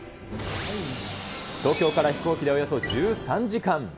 東京から飛行機でおよそ１３時間。